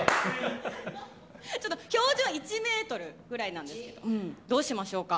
標準１ｍくらいなんですけどどうしましょうか。